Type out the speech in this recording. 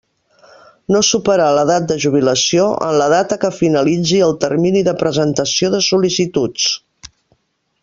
No superar l'edat de jubilació en la data que finalitzi el termini de presentació de sol·licituds.